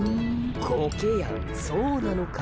コケヤンそうなのか？